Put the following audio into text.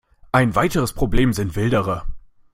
Ein weiteres Problem sind Wilderer.